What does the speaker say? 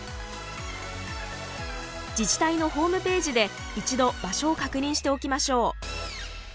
自治体のホームページで一度場所を確認しておきましょう。